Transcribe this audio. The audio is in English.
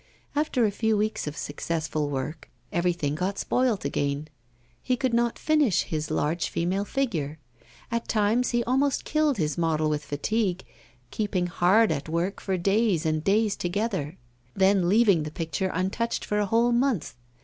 After a few weeks of successful work, everything got spoilt again; he could not finish his large female figure. At times he almost killed his model with fatigue, keeping hard at work for days and days together, then leaving the picture untouched for a whole month.